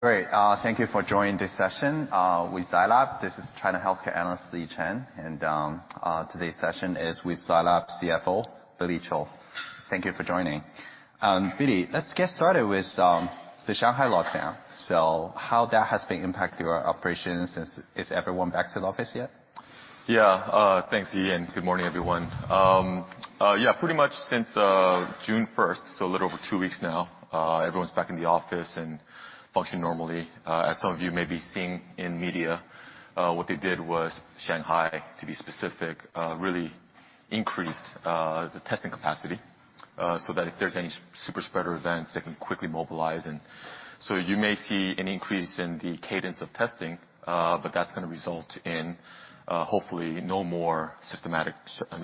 Great. Thank you for joining this session with Zai Lab. This is China Healthcare Analyst, Yi Chen. Today's session is with Zai Lab CFO, Billy Cho. Thank you for joining. Billy, let's get started with the Shanghai lockdown. How that has been impacting our operations? Is everyone back to the office yet? Yeah. Thanks, Yi, and good morning, everyone. Yeah, pretty much since June first, so a little over two weeks now, everyone's back in the office and functioning normally. As some of you may be seeing in media, what they did was Shanghai, to be specific, really increased the testing capacity, so that if there's any super spreader events, they can quickly mobilize. You may see an increase in the cadence of testing, but that's gonna result in, hopefully no more systematic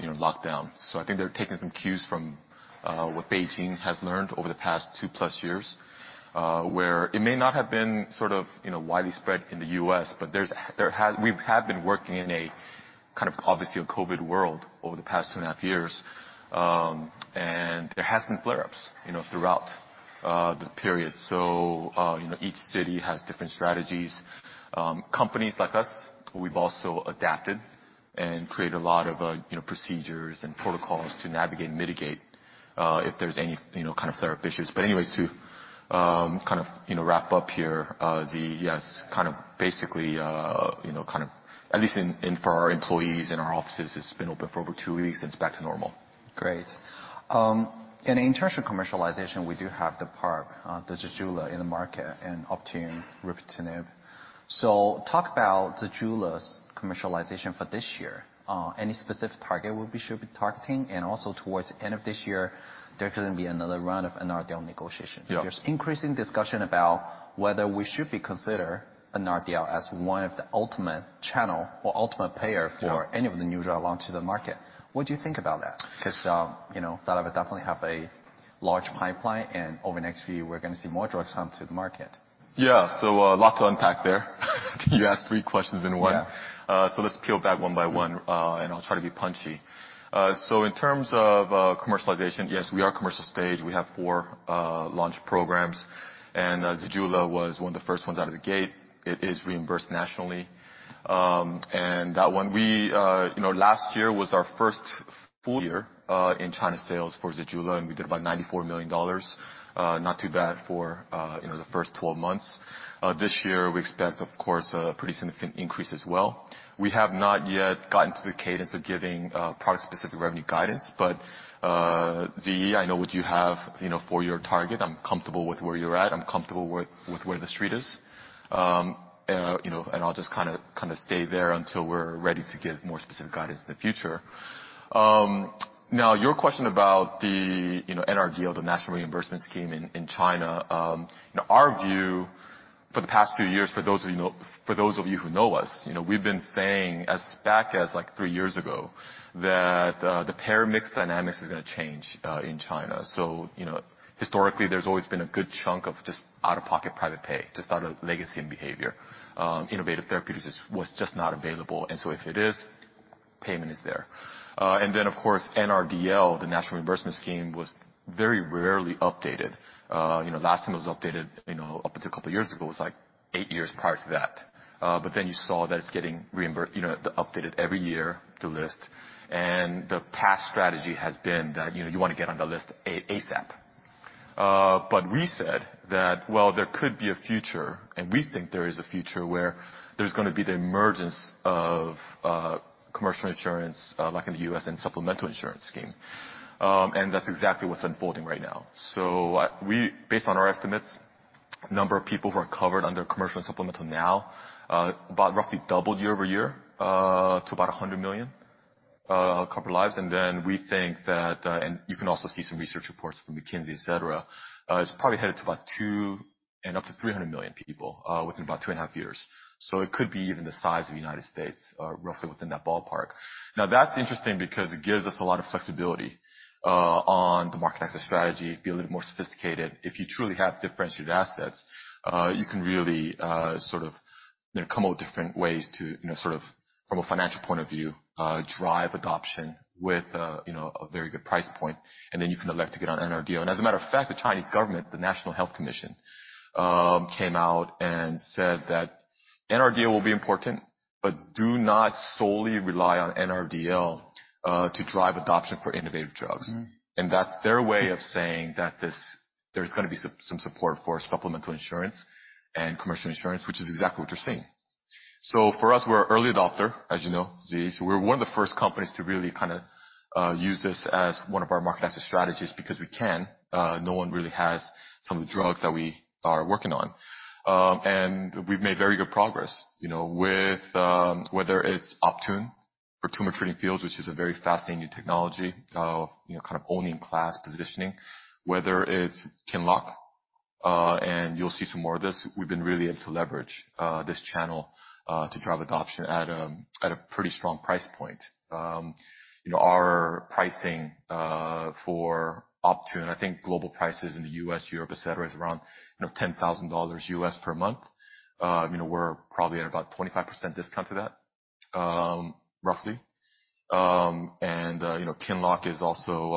you know, lockdown. I think they're taking some cues from what Beijing has learned over the past 2+ years, where it may not have been sort of, you know, widely spread in the U.S., but we have been working in a kind of obviously a COVID world over the past 2.5 years. There has been flare-ups, you know, throughout the period. Each city has different strategies. Companies like us, we've also adapted and created a lot of procedures and protocols to navigate and mitigate if there's any kind of flare-up issues. Anyways, to kind of wrap up here, the Yes, kind of basically, you know, kind of at least in for our employees in our offices, it's been open for over two weeks and it's back to normal. Great. In terms of commercialization, we do have the ZEJULA in the market and Optune, Repotrectinib. Talk about ZEJULA's commercialization for this year. Any specific target we should be targeting? Also towards the end of this year, there's gonna be another round of NRDL negotiation. Yeah. There's increasing discussion about whether we should consider NRDL as one of the ultimate channel or ultimate payer. Yeah. for any of the new drug launches to the market. What do you think about that? 'Cause, you know, Zai Lab will definitely have a large pipeline, and over the next few years, we're gonna see more drugs come to the market. Yeah. Lots to unpack there. You asked three questions in one. Yeah. Let's peel back one by one. Mm-hmm. I'll try to be punchy. In terms of commercialization, yes, we are commercial stage. We have four launch programs, and ZEJULA was one of the first ones out of the gate. It is reimbursed nationally. That one, you know, last year was our first full year in China sales for ZEJULA, and we did about $94 million. Not too bad for, you know, the first 12 months. This year we expect, of course, a pretty significant increase as well. We have not yet gotten to the cadence of giving product-specific revenue guidance. Ziyi, I know what you have, you know, for your target. I'm comfortable with where you're at. I'm comfortable with where the street is. You know, I'll just kinda stay there until we're ready to give more specific guidance in the future. Now your question about the, you know, NRDL, the National Reimbursement Drug List in China. In our view, for the past few years, for those of you who know us, you know, we've been saying as far back as, like, three years ago that the payer mix dynamics is gonna change in China. You know, historically there's always been a good chunk of just out-of-pocket private pay, just out of legacy and behavior. Innovative therapeutics was just not available. If it is, payment is there. Of course, NRDL, the National Reimbursement Drug List, was very rarely updated. You know, last time it was updated, you know, up until a couple years ago was, like, eight years prior to that. But then you saw that it's getting updated every year, the list. The past strategy has been that, you know, you wanna get on the list ASAP. We said that, well, there could be a future, and we think there is a future, where there's gonna be the emergence of commercial insurance, like in the U.S. and supplemental insurance scheme. That's exactly what's unfolding right now. Based on our estimates, number of people who are covered under commercial and supplemental now, about roughly doubled year-over-year to about 100 million covered lives. We think that, and you can also see some research reports from McKinsey, etc., it's probably headed to about 200-300 million people, within about 2.5 years. It could be even the size of the United States, roughly within that ballpark. Now that's interesting because it gives us a lot of flexibility, on the market access strategy, be a little more sophisticated. If you truly have differentiated assets, you can really, sort of, you know, come up with different ways to, you know, sort of from a financial point of view, drive adoption with, you know, a very good price point. You can elect to get on NRDL. As a matter of fact, the Chinese government, the National Health Commission, came out and said that NRDL will be important, but do not solely rely on NRDL to drive adoption for innovative drugs. Mm-hmm. That's their way of saying that this, there's gonna be some support for supplemental insurance and commercial insurance, which is exactly what we're seeing. For us, we're an early adopter, as you know, Ziyi. We're one of the first companies to really kinda use this as one of our market access strategies because we can. No one really has some of the drugs that we are working on. And we've made very good progress, you know, with whether it's Optune for Tumor Treating Fields, which is a very fascinating new technology, you know, kind of only-in-class positioning. Whether it's Qinlock, and you'll see some more of this. We've been really able to leverage this channel to drive adoption at a pretty strong price point. You know, our pricing for Optune, I think global prices in the U.S., Europe, et cetera, is around, you know, $10,000 per month. You know, we're probably at about 25% discount to that, roughly. You know, Qinlock is also,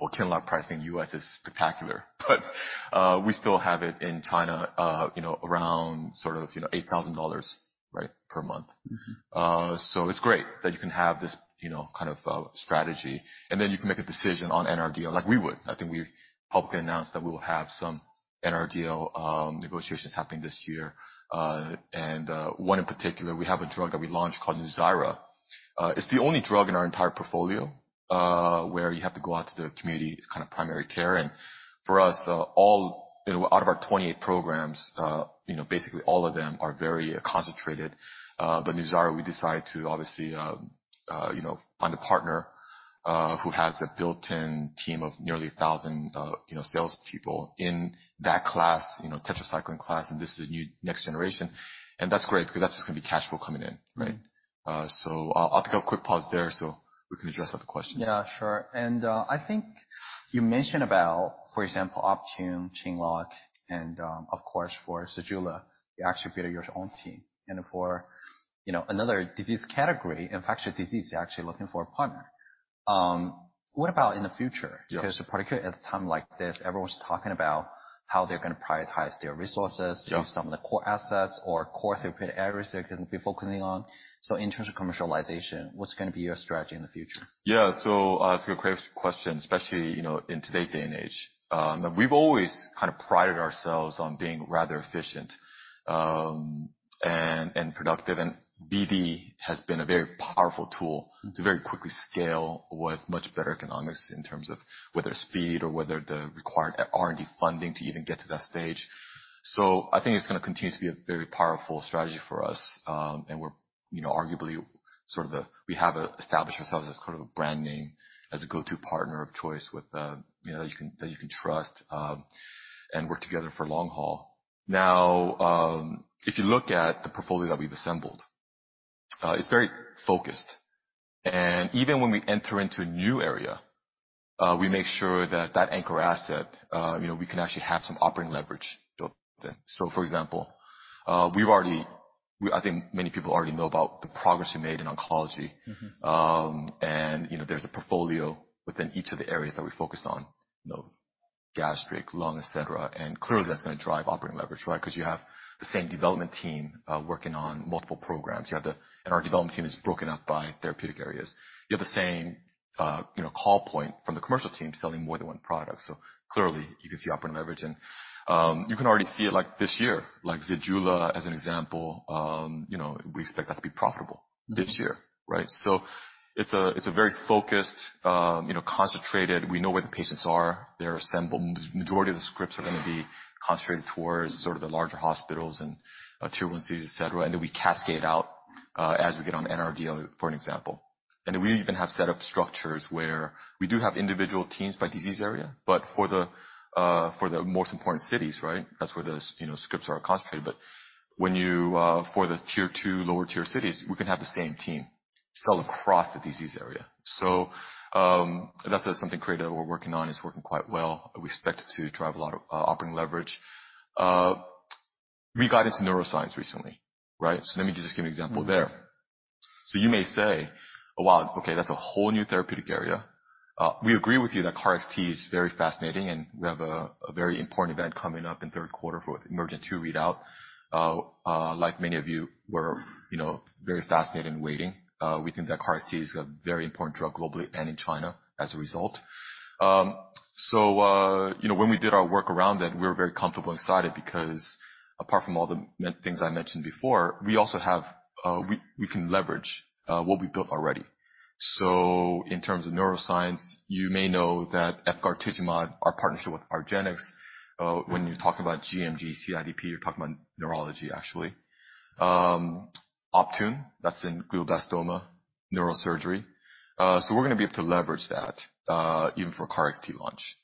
well, Qinlock pricing U.S. is spectacular, but we still have it in China, you know, around sort of, you know, $8,000, right? Per month. Mm-hmm. It's great that you can have this, you know, kind of strategy, and then you can make a decision on NRDL like we would. I think we publicly announced that we will have some NRDL negotiations happening this year. One in particular, we have a drug that we launched called NUZYRA. It's the only drug in our entire portfolio where you have to go out to the community. It's kind of primary care. For us, you know, out of our 28 programs, you know, basically all of them are very concentrated. NUZYRA, we decided to obviously, you know, find a partner who has a built-in team of nearly 1,000, you know, salespeople in that class, you know, tetracycline class, and this is a new next generation. That's great because that's just gonna be cash flow coming in, right? Mm-hmm. I'll take a quick pause there, so we can address other questions. Yeah, sure. I think you mentioned about, for example, Optune, Qinlock, and, of course for ZEJULA, you actually build your own team. For, you know, another disease category, infectious disease, you're actually looking for a partner. What about in the future? Yeah. Cause particularly at a time like this, everyone's talking about how they're gonna prioritize their resources. Yeah. To do some of the core assets or core therapeutic areas they're gonna be focusing on. In terms of commercialization, what's gonna be your strategy in the future? Yeah. It's a great question, especially, you know, in today's day and age. We've always kind of prided ourselves on being rather efficient, and productive. BD has been a very powerful tool- Mm-hmm. to very quickly scale with much better economics in terms of whether speed or whether the required R&D funding to even get to that stage. I think it's gonna continue to be a very powerful strategy for us. We have established ourselves as sort of a brand name, as a go-to partner of choice with, you know, that you can trust, and work together for long haul. Now, if you look at the portfolio that we've assembled, it's very focused. Even when we enter into a new area, we make sure that anchor asset, you know, we can actually have some operating leverage built in. For example, I think many people already know about the progress we made in oncology. Mm-hmm. And you know, there's a portfolio within each of the areas that we focus on, you know, gastric, lung, et cetera. Clearly, that's gonna drive operating leverage, right? 'Cause you have the same development team working on multiple programs. and our development team is broken up by therapeutic areas. You have the same, you know, call point from the commercial team selling more than one product. Clearly you can see operating leverage and you can already see it like this year. Like ZEJULA as an example, you know, we expect that to be profitable this year, right? Mm-hmm. It's a very focused, concentrated. We know where the patients are. They're assembled. Majority of the scripts are gonna be concentrated towards sort of the larger hospitals and tier one cities, et cetera, and then we cascade out as we get on NRDL, for example. We even have set up structures where we do have individual teams by disease area, but for the most important cities, that's where scripts are concentrated. For the tier two, lower tier cities, we can have the same team sell across the disease area. That's something creative that we're working on. It's working quite well. We expect to drive a lot of operating leverage. We got into neuroscience recently. Let me just give you an example there. Mm-hmm. You may say, "Well, wow, okay, that's a whole new therapeutic area." We agree with you that KarXT is very fascinating, and we have a very important event coming up in third quarter for EMERGENT-2 readout. Like many of you, we're, you know, very fascinated and waiting. We think that KarXT is a very important drug globally and in China as a result. You know, when we did our work around it, we were very comfortable and excited because apart from all the things I mentioned before, we also have, we can leverage what we've built already. In terms of neuroscience, you may know that Efgartigimod, our partnership with argenx, when you talk about GMG, CIDP, you're talking about neurology, actually. Optune, that's in glioblastoma neurosurgery. We're gonna be able to leverage that, even for KarXT launch,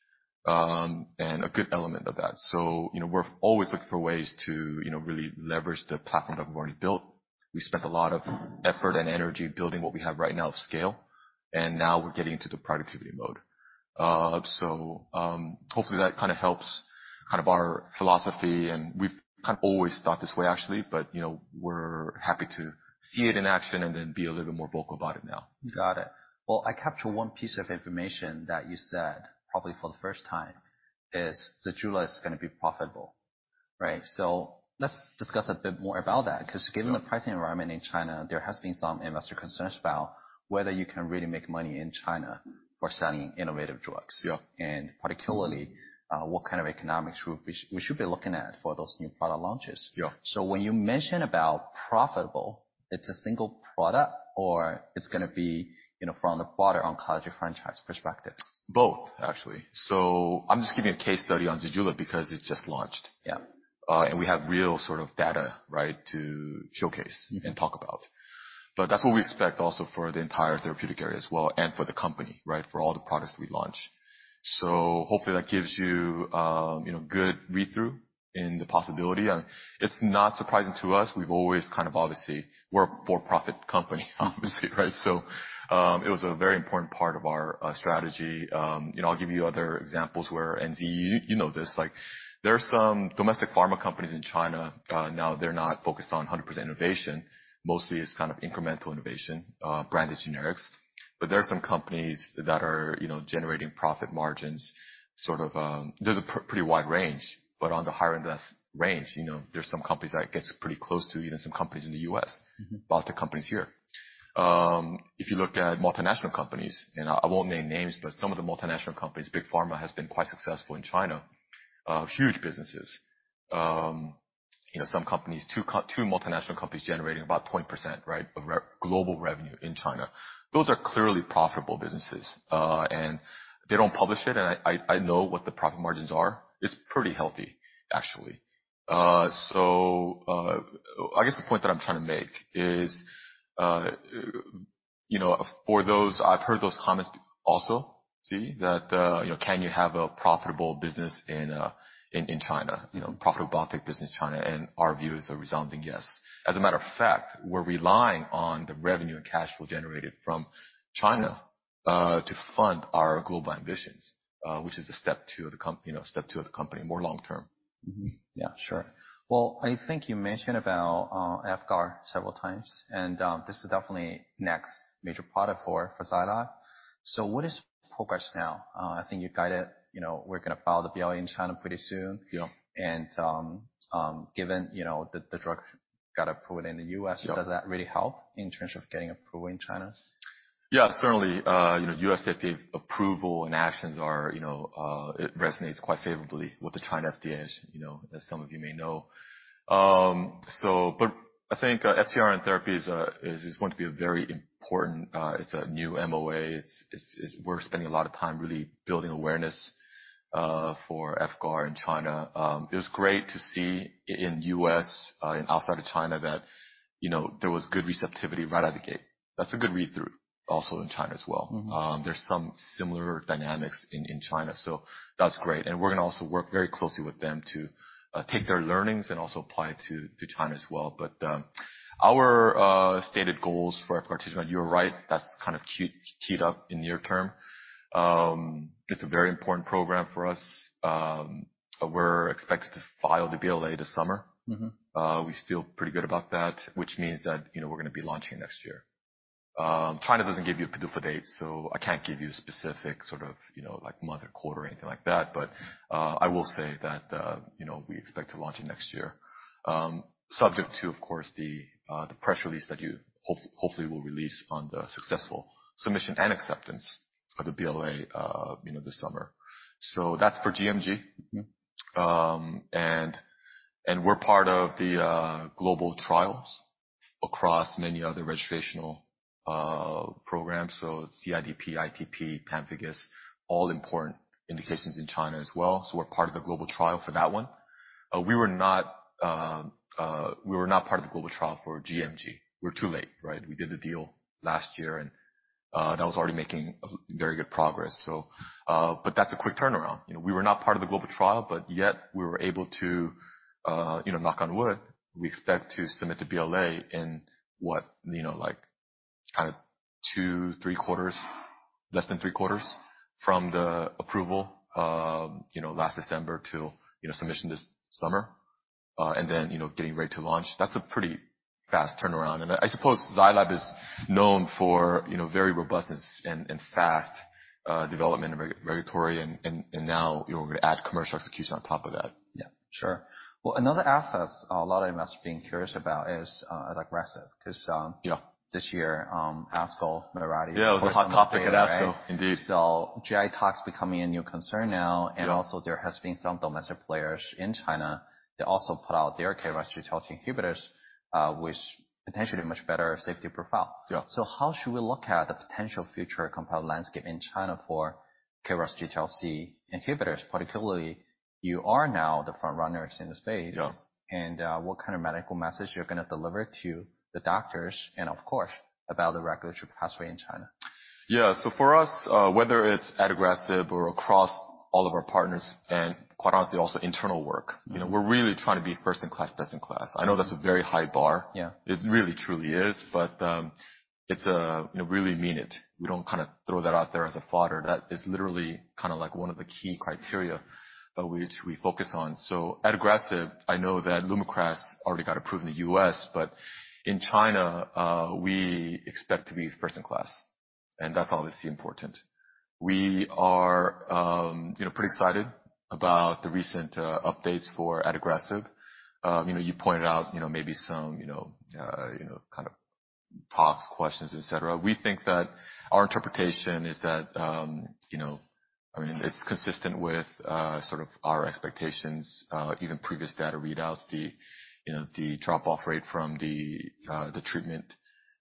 and a good element of that. You know, we're always looking for ways to, you know, really leverage the platform that we've already built. We spent a lot of effort and energy building what we have right now at scale, and now we're getting into the productivity mode. Hopefully that kinda helps kind of our philosophy and we've kind of always thought this way actually, but, you know, we're happy to see it in action and then be a little bit more vocal about it now. Got it. Well, I capture one piece of information that you said probably for the first time is ZEJULA is gonna be profitable, right? Let's discuss a bit more about that 'cause given the pricing environment in China, there has been some investor concerns about whether you can really make money in China for selling innovative drugs. Yeah. Particularly, what kind of economics we should be looking at for those new product launches? Yeah. When you mention about profitable, it's a single product or it's gonna be, you know, from the broader oncology franchise perspective? Both actually. I'm just giving a case study on ZEJULA because it just launched. Yeah. We have real sort of data, right, to showcase. Mm-hmm. That's what we expect also for the entire therapeutic area as well and for the company, right, for all the products we launch. Hopefully that gives you know, good read-through in the possibility. It's not surprising to us. We've always kind of obviously. We're a for-profit company obviously, right? It was a very important part of our strategy. You know, I'll give you other examples where, and you know this, like there are some domestic pharma companies in China, now they're not focused on 100% innovation. Mostly it's kind of incremental innovation, branded generics. There are some companies that are, you know, generating profit margins, sort of. There's a pretty wide range, but on the higher end of that range, you know, there's some companies that gets pretty close to even some companies in the US. Mm-hmm. Biotech companies here. If you look at multinational companies, I won't name names, but some of the multinational companies, big pharma, has been quite successful in China, huge businesses. You know, some companies, two multinational companies generating about 20%, right, of global revenue in China. Those are clearly profitable businesses. They don't publish it, I know what the profit margins are. It's pretty healthy, actually. I guess the point that I'm trying to make is, you know, for those I've heard those comments also, see, that you know, can you have a profitable business in China? You know, profitable biotech business in China, and our view is a resounding yes. As a matter of fact, we're relying on the revenue and cash flow generated from China to fund our global ambitions, which is the step two of the company, you know, more long term. Yeah, sure. Well, I think you mentioned about VYVGART several times, and this is definitely next major product for Zai Lab. What is progress now? I think you guided, you know, we're gonna file the BLA in China pretty soon. Yeah. Given you know the drug got approved in the U.S. Yeah. Does that really help in terms of getting approved in China? Yeah, certainly, you know, U.S. FDA approval and actions are, you know, it resonates quite favorably with the China FDA's, you know, as some of you may know. I think, FcRn therapy is going to be a very important, it's a new MOA. We're spending a lot of time really building awareness for EFGART in China. It was great to see in U.S. and outside of China that, you know, there was good receptivity right out of the gate. That's a good read-through also in China as well. Mm-hmm. There's some similar dynamics in China, so that's great. We're gonna also work very closely with them to take their learnings and also apply it to China as well. Our stated goals for our participant, you're right, that's kind of keyed up in near term. It's a very important program for us. We're expected to file the BLA this summer. Mm-hmm. We feel pretty good about that, which means that, you know, we're gonna be launching next year. China doesn't give you a PDUFA date, so I can't give you a specific sort of, you know, like month or quarter or anything like that. I will say that, you know, we expect to launch it next year. Subject to, of course, the press release that you hopefully will release on the successful submission and acceptance of the BLA, you know, this summer. That's for GMG. Mm-hmm. And we're part of the global trials across many other registrational programs. CIDP, ITP, Pemphigus, all important indications in China as well. We're part of the global trial for that one. We were not part of the global trial for GMG. We're too late, right? We did the deal last year, and that was already making a very good progress. That's a quick turnaround. You know, we were not part of the global trial, but yet we were able to, you know, knock on wood, we expect to submit the BLA in what, you know, like kind of 2, 3 quarters, less than 3 quarters from the approval of, you know, last December to, you know, submission this summer. Getting ready to launch. That's a pretty fast turnaround. I suppose Zai Lab is known for, you know, very robustness and fast development and regulatory and now, you know, we're gonna add commercial execution on top of that. Yeah, sure. Well, another asset a lot of investors being curious about is Adagrasib 'cause- Yeah. This year, ASCO. Yeah, it was a hot topic at ASCO. Right. Indeed. GI toxicity becoming a new concern now. Yeah. Also, there has been some domestic players in China that also put out their KRAS G12C inhibitors, which potentially much better safety profile. Yeah. How should we look at the potential future competitive landscape in China for KRAS G12C inhibitors? Particularly, you are now the front runners in the space. Yeah. What kind of medical message you're gonna deliver to the doctors and of course, about the regulatory pathway in China? Yeah. For us, whether it's Adagrasib or across all of our partners and quite honestly, also internal work. Mm-hmm. You know, we're really trying to be first in class, best in class. I know that's a very high bar. Yeah. It really truly is. It's a, you know, really mean it. We don't kinda throw that out there as a fodder. That is literally kinda like one of the key criteria, which we focus on. Adagrasib, I know that Lumakras already got approved in the U.S., but in China, we expect to be first in class, and that's obviously important. We are, you know, pretty excited about the recent, updates for Adagrasib. You know, you pointed out, you know, maybe some, you know, kind of tox questions, et cetera. We think that our interpretation is that, you know. I mean, it's consistent with, sort of our expectations, even previous data readouts. The, you know, the drop-off rate from the treatment,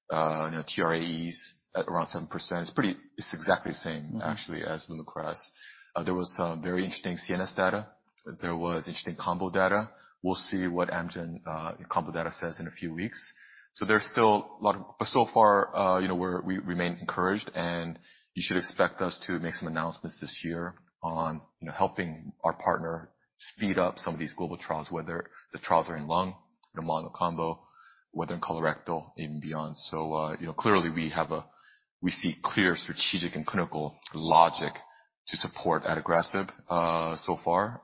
you know, TRAEs at around 7%. It's pretty. It's exactly the same actually as Lumakras. There was some very interesting CNS data. There was interesting combo data. We'll see what Amgen combo data says in a few weeks. So far, you know, we remain encouraged, and you should expect us to make some announcements this year on, you know, helping our partner speed up some of these global trials, whether the trials are in lung in a mono combo, whether in colorectal, even beyond. You know, clearly we see clear strategic and clinical logic to support Adagrasib so far.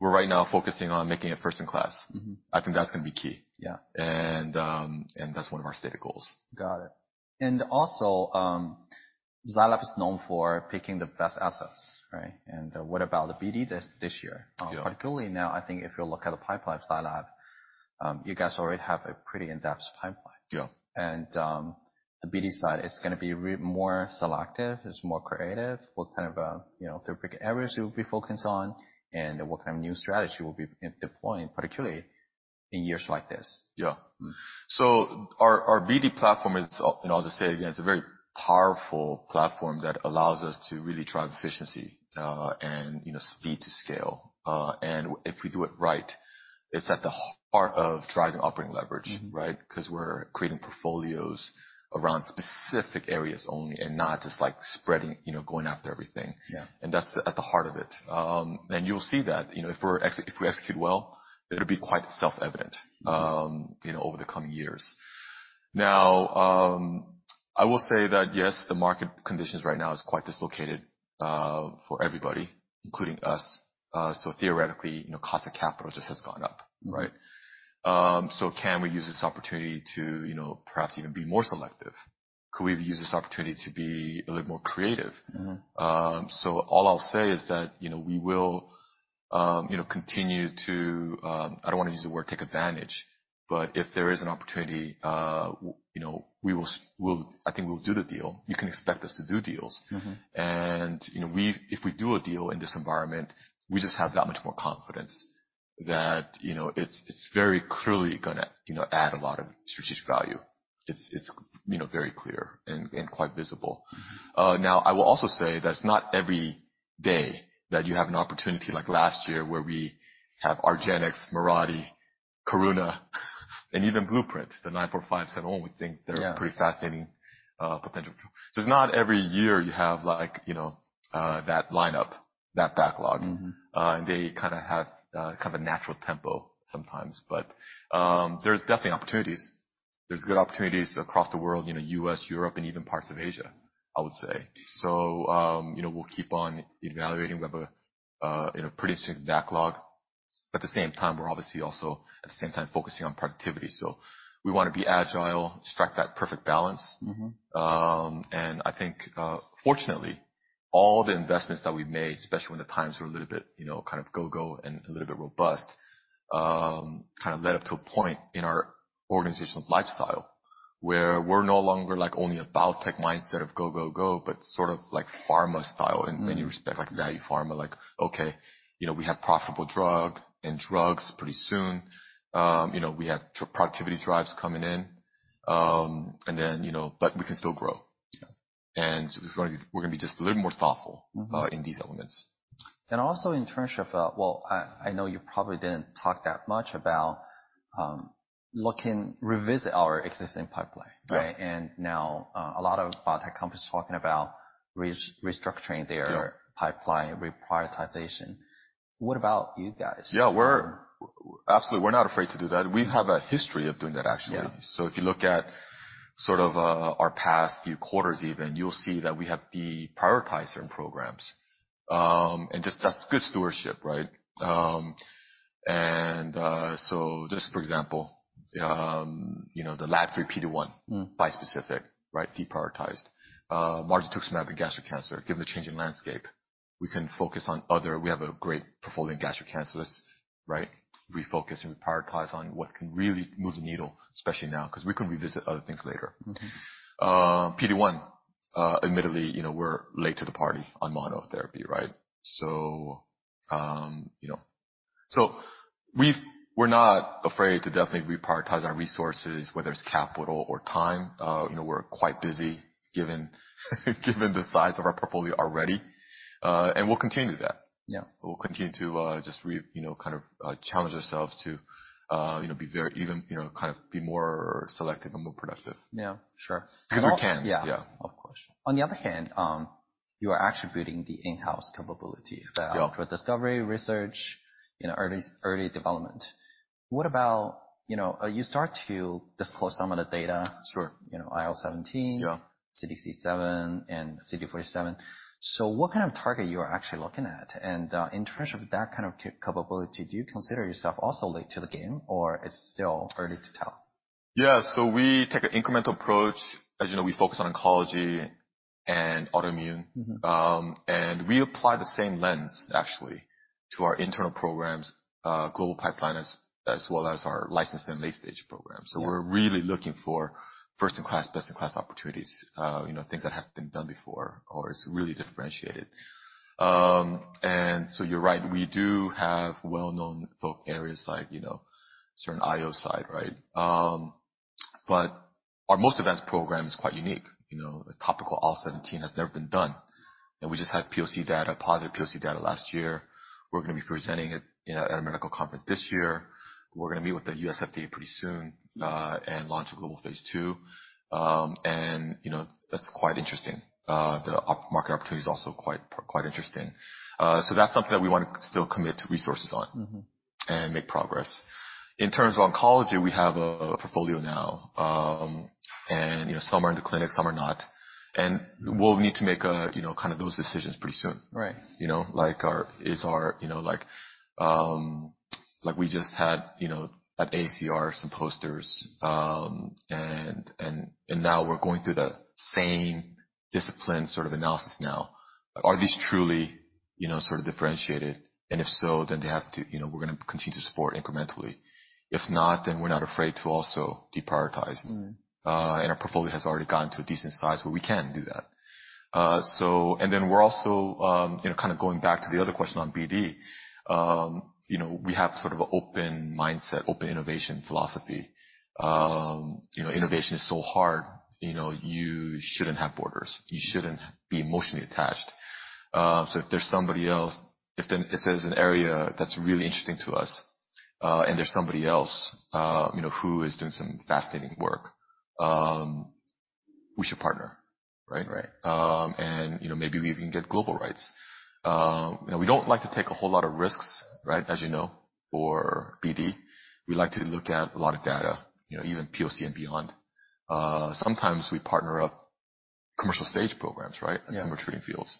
We're right now focusing on making it first in class. Mm-hmm. I think that's gonna be key. Yeah. That's one of our stated goals. Got it. Also, Zai Lab is known for picking the best assets, right? What about the BD test this year? Yeah. Particularly now, I think if you look at the pipeline of Zai Lab, you guys already have a pretty in-depth pipeline. Yeah. The BD side is gonna be more selective, more creative. What kind of therapeutic areas you'll be focused on, and what kind of new strategy you will be deploying, particularly in years like this? Yeah. Mm. Our BD platform is, and I'll just say it again, it's a very powerful platform that allows us to really drive efficiency, and you know, speed to scale. If we do it right, it's at the heart of driving operating leverage. Mm-hmm. Right? 'Cause we're creating portfolios around specific areas only, and not just like spreading, you know, going after everything. Yeah. That's at the heart of it. You'll see that, you know, if we execute well, it'll be quite self-evident. Mm-hmm. You know, over the coming years. Now, I will say that yes, the market conditions right now is quite dislocated, for everybody, including us. Theoretically, you know, cost of capital just has gone up, right? Mm-hmm. Can we use this opportunity to, you know, perhaps even be more selective? Could we use this opportunity to be a little more creative? Mm-hmm. All I'll say is that, you know, we will, you know, continue to, I don't wanna use the word take advantage, but if there is an opportunity, you know, we will. I think we'll do the deal. You can expect us to do deals. Mm-hmm. You know, we've if we do a deal in this environment, we just have that much more confidence that, you know, it's very clearly gonna, you know, add a lot of strategic value. It's you know, very clear and quite visible. Mm-hmm. Now I will also say that it's not every day that you have an opportunity like last year where we have argenx, Mirati, Karuna and even Blueprint, the 945. We think they're- Yeah. Pretty fascinating potential. It's not every year you have like, you know, that lineup, that backlog. Mm-hmm. They kinda have kind of a natural tempo sometimes. There's definitely opportunities. There's good opportunities across the world, you know, U.S., Europe, and even parts of Asia, I would say. We'll keep on evaluating. We have a pretty interesting backlog. At the same time, we're obviously also at the same time focusing on productivity. We wanna be agile, strike that perfect balance. Mm-hmm. I think, fortunately, all the investments that we've made, especially when the times were a little bit, you know, kind of go and a little bit robust, kind of led up to a point in our organizational lifestyle where we're no longer like only a biotech mindset of go, go, but sort of like pharma style in many respects. Like value pharma, like, okay, you know, we have profitable drug and drugs pretty soon. You know, we have productivity drives coming in. You know, we can still grow. Yeah. We're gonna be just a little more thoughtful. Mm-hmm. in these elements. Also in terms of, well, I know you probably didn't talk that much about, revisit our existing pipeline, right? Yeah. Now, a lot of biotech companies are talking about restructuring their- Yeah. Pipeline reprioritization. What about you guys? Yeah. Absolutely, we're not afraid to do that. We have a history of doing that actually. Yeah. If you look at sort of, our past few quarters even, you'll see that we have deprioritized certain programs. Just that's good stewardship, right? Just for example, you know, the LAG-3/PD-1. Mm. Bispecific, right? Deprioritized. Bemarituzumab in gastric cancer. Given the change in landscape, we can focus on other. We have a great portfolio in gastric cancer, right? Refocus and prioritize on what can really move the needle, especially now, 'cause we can revisit other things later. Mm-hmm. PD-1, admittedly, you know, we're late to the party on monotherapy, right? We're not afraid to definitely reprioritize our resources, whether it's capital or time. You know, we're quite busy given the size of our portfolio already. We'll continue to do that. Yeah. We'll continue to, you know, kind of, you know, be very lean, you know, kind of be more selective and more productive. Yeah, sure. Because we can. Yeah. Yeah. Of course. On the other hand, you are attributing the in-house capability. Yeah. for discovery, research, you know, early development. What about, you know, you start to disclose some of the data. Sure. You know, IL-17. Yeah. CDK7 and CD47. What kind of target you are actually looking at? In terms of that kind of capability, do you consider yourself also late to the game, or it's still early to tell? Yeah. We take an incremental approach. As you know, we focus on oncology and autoimmune. Mm-hmm. We apply the same lens actually to our internal programs, global pipeline as well as our licensed and late-stage programs. Yeah. We're really looking for first-in-class, best-in-class opportunities. You know, things that haven't been done before or it's really differentiated. You're right, we do have well-known focus areas like, you know, certain IO side, right? But our most advanced program is quite unique. You know, the topical IL-17 has never been done. We just had POC data, positive POC data last year. We're gonna be presenting it at a medical conference this year. We're gonna meet with the U.S. FDA pretty soon, and launch a global phase 2. You know, that's quite interesting. The market opportunity is also quite interesting. That's something that we wanna still commit resources on. Mm-hmm. Make progress. In terms of oncology, we have a portfolio now, you know, some are in the clinic, some are not. We'll need to make, you know, kind of those decisions pretty soon. Right. You know, like our, you know, like we just had, you know, at AACR some posters. Now we're going through the same discipline sort of analysis now. Are these truly, you know, sort of differentiated? If so, then they have to, you know, we're gonna continue to support incrementally. If not, then we're not afraid to also deprioritize. Mm-hmm. Our portfolio has already gotten to a decent size where we can do that. We're also, you know, kind of going back to the other question on BD. You know, we have sort of an open mindset, open innovation philosophy. You know, innovation is so hard, you know, you shouldn't have borders, you shouldn't be emotionally attached. If there's somebody else, if there's an area that's really interesting to us, and there's somebody else, you know, who is doing some fascinating work, we should partner, right? Right. You know, maybe we even get global rights. You know, we don't like to take a whole lot of risks, right? As you know, for BD. We like to look at a lot of data, you know, even POC and beyond. Sometimes we partner up commercial stage programs, right? Yeah. In Tumor Treating Fields.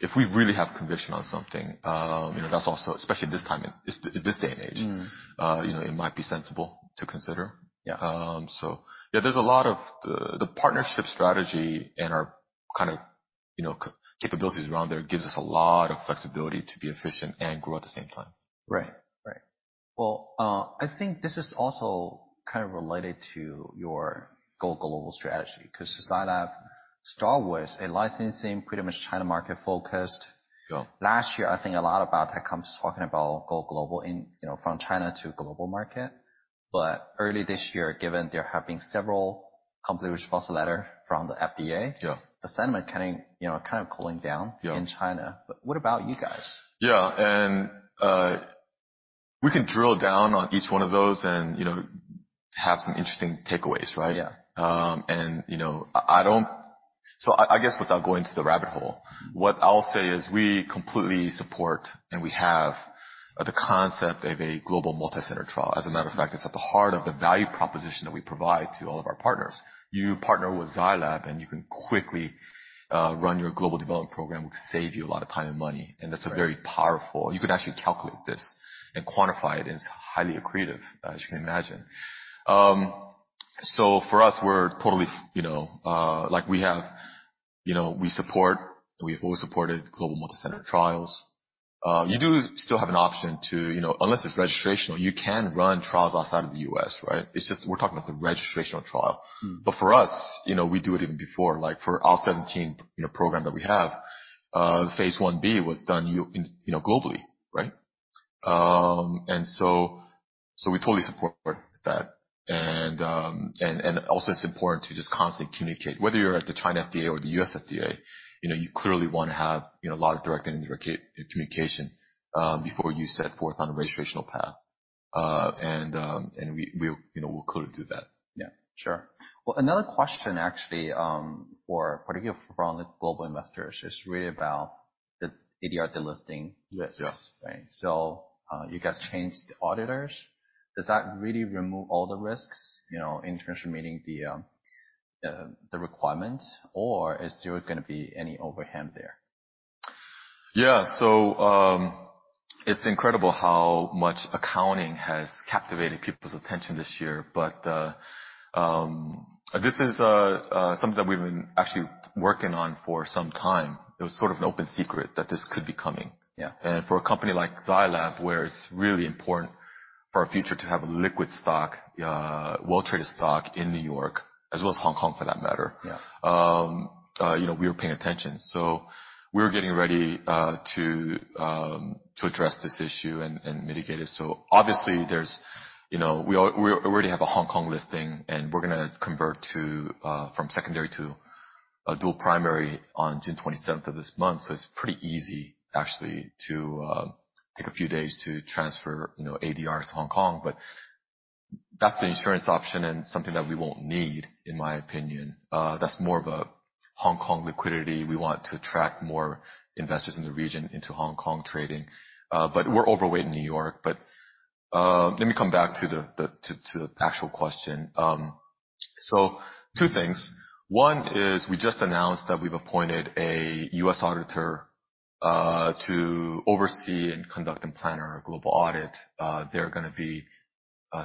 If we really have conviction on something, you know, that's also, especially this time, this day and age. Mm-hmm. You know, it might be sensible to consider. Yeah. Yeah, there's a lot of the partnership strategy and our kind of, you know, capabilities around there gives us a lot of flexibility to be efficient and grow at the same time. Right. Well, I think this is also kind of related to your go-global strategy 'cause Zai Lab start with a licensing, pretty much China market focused. Yeah. Last year, I think a lot of biotech companies talking about go global in, you know, from China to global market. Early this year, given there have been several complete response letters from the FDA. Yeah. The sentiment kind of, you know, cooling down. Yeah. In China. What about you guys? Yeah. We can drill down on each one of those and, you know, have some interesting takeaways, right? Yeah. I guess without going into the rabbit hole, what I'll say is we completely support, and we have the concept of a global multicenter trial. As a matter of fact, it's at the heart of the value proposition that we provide to all of our partners. You partner with Zai Lab, and you can quickly run your global development program. We save you a lot of time and money, and that's a very powerful. You can actually calculate this and quantify it, and it's highly accretive, as you can imagine. For us, we're totally, you know, like, we support. We've always supported global multicenter trials. You do still have an option to, you know, unless it's registrational, you can run trials outside of the U.S., right? It's just we're talking about the registrational trial. Mm. For us, you know, we do it even before. Like, for our 17 program that we have, phase 1B was done in, you know, globally, right? So we totally support that. Also it's important to just constantly communicate. Whether you're at the China FDA or the U.S. FDA, you know, you clearly wanna have, you know, a lot of direct communication, before you set forth on a registrational path. We, you know, we'll clearly do that. Yeah. Sure. Well, another question actually, particularly from the global investors is really about the ADR delisting. Yes. You guys changed the auditors. Does that really remove all the risks, you know, in terms of meeting the requirement, or is there gonna be any overhead there? Yeah, it's incredible how much accounting has captivated people's attention this year. This is something that we've been actually working on for some time. It was sort of an open secret that this could be coming. Yeah. For a company like Zai Lab, where it's really important for our future to have a liquid stock, well-traded stock in New York as well as Hong Kong for that matter. Yeah. You know, we were paying attention. We're getting ready to address this issue and mitigate it. Obviously there's you know, we already have a Hong Kong listing, and we're gonna convert from secondary to a dual primary on June twenty-seventh of this month. It's pretty easy actually to take a few days to transfer you know, ADRs to Hong Kong. That's the insurance option and something that we won't need, in my opinion. That's more of a Hong Kong liquidity. We want to attract more investors in the region into Hong Kong trading. We're overweight in New York. Let me come back to the actual question. Two things. One is we just announced that we've appointed a U.S. auditor to oversee and conduct and plan our global audit. They're gonna be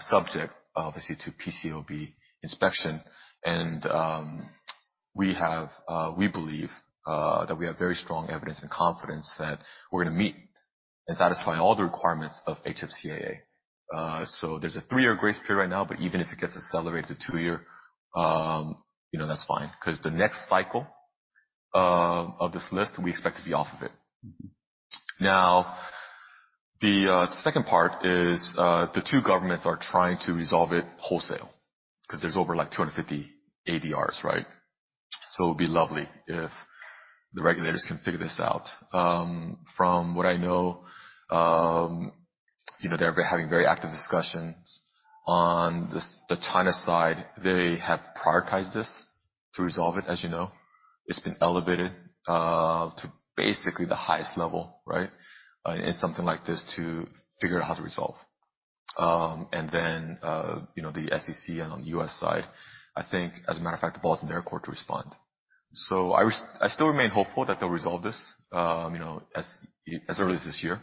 subject obviously to PCAOB inspection. We believe that we have very strong evidence and confidence that we're gonna meet and satisfy all the requirements of HFCAA. There's a three-year grace period right now, but even if it gets accelerated to two-year, you know, that's fine 'cause the next cycle of this list, we expect to be off of it. Mm-hmm. Now, the second part is the two governments are trying to resolve it wholesale 'cause there's over like 250 ADRs, right? It'd be lovely if the regulators can figure this out. From what I know, you know, they're having very active discussions. On this, the China side, they have prioritized this to resolve it, as you know. It's been elevated to basically the highest level, right? It's something like this to figure out how to resolve. You know, the SEC on the U.S. side, I think as a matter of fact, the ball is in their court to respond. I still remain hopeful that they'll resolve this, you know, as early as this year.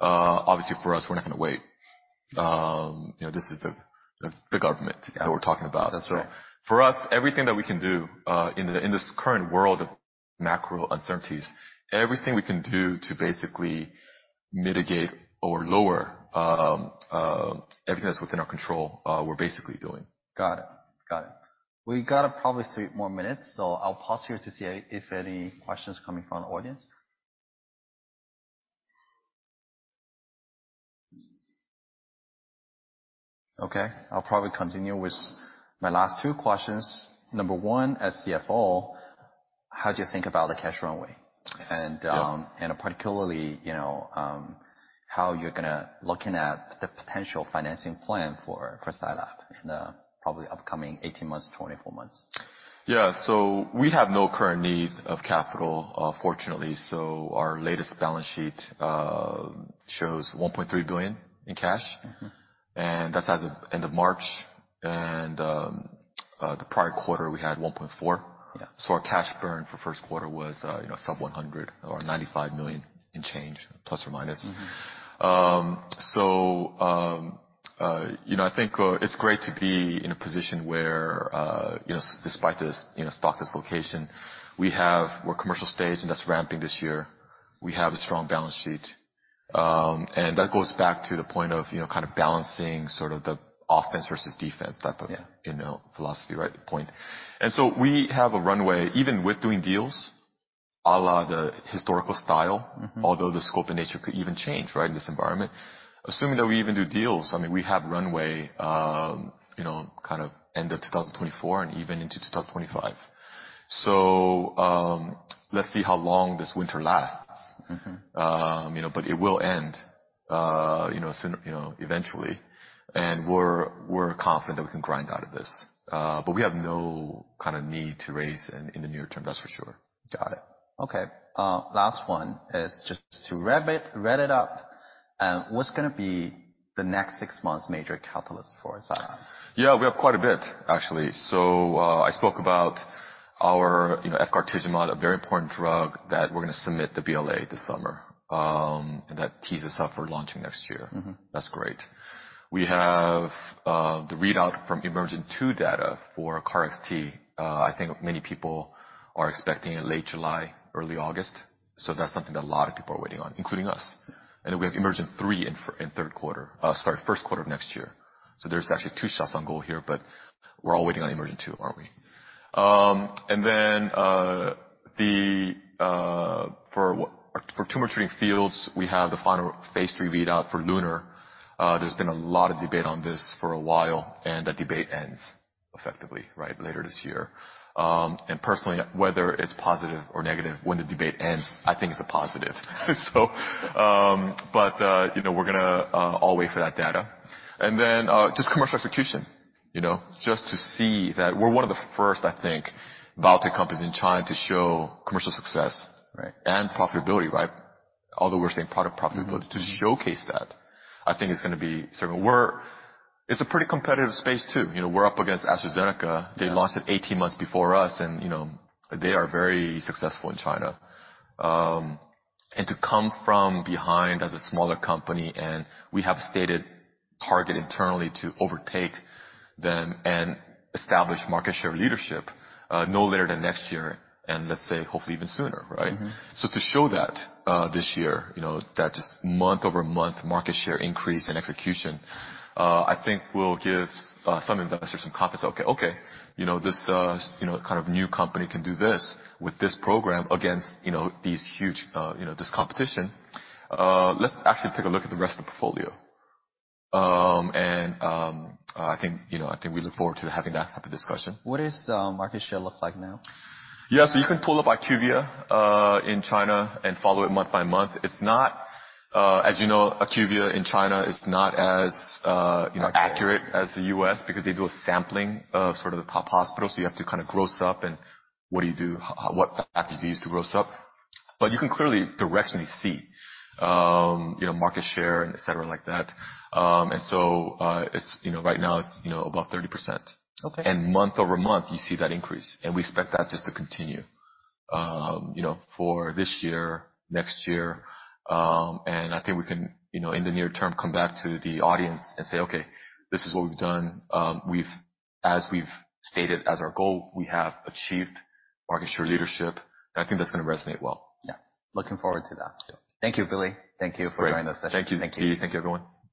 Obviously for us, we're not gonna wait. You know, this is the government that we're talking about. That's right. For us, everything that we can do in this current world of macro uncertainties, everything we can do to basically mitigate or lower everything that's within our control, we're basically doing. Got it. We've got probably three more minutes, so I'll pause here to see if any questions coming from the audience. Okay. I'll probably continue with my last two questions. Number one, as CFO, how do you think about the cash runway? Yeah. Particularly, you know, how you're gonna looking at the potential financing plan for Zai Lab in the probable upcoming 18-24 months. Yeah, we have no current need of capital, fortunately. Our latest balance sheet shows $1.3 billion in cash. Mm-hmm. That's as of end of March. The prior quarter, we had 1.4. Yeah. Our cash burn for first quarter was, you know, sub-$100 or $95 million in change, plus or minus. Mm-hmm. You know, I think it's great to be in a position where you know, despite this you know, stock dislocation, we're commercial stage, and that's ramping this year. We have a strong balance sheet. That goes back to the point of you know, kind of balancing sort of the offense versus defense type of Yeah. You know, philosophy, right? Point. We have a runway, even with doing deals à la the historical style. Mm-hmm. Although the scope and nature could even change, right, in this environment. Assuming that we even do deals, I mean, we have runway, you know, kind of end of 2024 and even into 2025. Let's see how long this winter lasts. Mm-hmm. You know, but it will end, you know, soon, you know, eventually. We're confident that we can grind out of this. We have no kinda need to raise in the near term, that's for sure. Got it. Okay. Last one is just to wrap it up. What's gonna be the next six months major catalyst for Zai Lab? Yeah, we have quite a bit, actually. I spoke about our, you know, Efgartigimod, a very important drug that we're gonna submit the BLA this summer, and that tees us up for launching next year. Mm-hmm. That's great. We have the readout from EMERGENT-2 data for KarXT. I think many people are expecting it late July, early August. That's something that a lot of people are waiting on, including us. Yeah. We have EMERGENT-3 in first quarter of next year. There's actually two shots on goal here, but we're all waiting on EMERGENT-2, aren't we? For Tumor Treating Fields, we have the final phase 3 readout for LUNAR. There's been a lot of debate on this for a while, and that debate ends effectively later this year. Personally, whether it's positive or negative, when the debate ends, I think it's a positive. You know, we're gonna all wait for that data. Just commercial execution, you know. Just to see that we're one of the first, I think, biotech companies in China to show commercial success. Right. Profitability, right? Although we're seeing product profitability. Mm-hmm. To showcase that, I think it's gonna be sort of. It's a pretty competitive space too. You know, we're up against AstraZeneca. Yeah. They launched it 18 months before us and, you know, they are very successful in China. To come from behind as a smaller company, and we have a stated target internally to overtake them and establish market share leadership, no later than next year, and let's say hopefully even sooner, right? Mm-hmm. To show that, this year, you know, that just month-over-month market share increase and execution, I think will give some investors some confidence. Okay, you know, this, you know, kind of new company can do this with this program against, you know, these huge, you know, this competition. Let's actually take a look at the rest of the portfolio. I think, you know, I think we look forward to having that type of discussion. What is market share look like now? Yeah. You can pull up IQVIA in China and follow it month by month. It's not, as you know, IQVIA in China is not as, you know, accurate as the US because they do a sampling of sort of the top hospitals. You have to kinda gross up and what do you do, what factor to gross up. You can clearly directly see, you know, market share and et cetera like that. It's, you know, right now it's, you know, above 30%. Okay. Month-over-month, you see that increase, and we expect that just to continue, you know, for this year, next year. I think we can, you know, in the near term, come back to the audience and say, "Okay, this is what we've done. As we've stated as our goal, we have achieved market share leadership." I think that's gonna resonate well. Yeah. Looking forward to that. Yeah. Thank you, Billy. Thank you for joining the session. Thank you, Yi. Thank you, everyone.